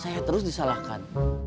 saya terus disalahkan